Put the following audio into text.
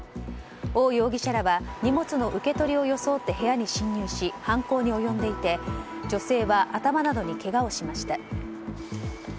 オウ容疑者らは荷物の受け取りを装って部屋に侵入し、犯行に及んでいて女性は頭などにけがをしました。